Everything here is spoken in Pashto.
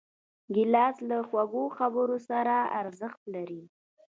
ګیلاس له خوږو خبرو سره ارزښت لري.